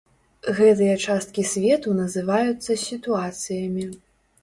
Гэтыя часткі свету называюцца сітуацыямі.